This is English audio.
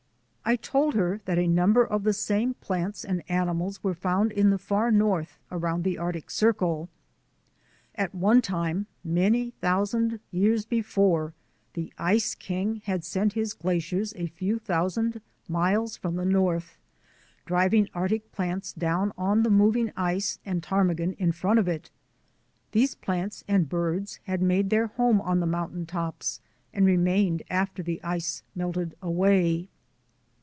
I told her that a number of the same plants and animals were found in the far north around the Arctic Circle. At one time, many thousand years before, the Ice King had sent his glaciers a few thousand miles from the north, driving Arctic plants down on the moving ice and ptarmigan in front of it. These plants and birds had made their home on the mountain tops and remained after the ice melted away.